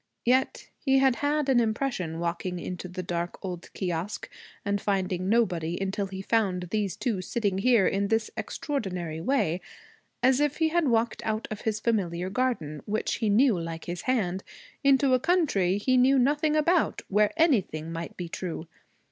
Yet he had had an impression, walking into the dark old kiosque and finding nobody until he found these two sitting here in this extraordinary way, as if he had walked out of his familiar garden, which he knew like his hand, into a country he knew nothing about, where anything might be true.